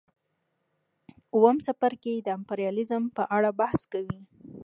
اووم څپرکی د امپریالیزم په اړه بحث کوي